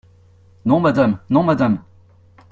Non, madame ! non, madame !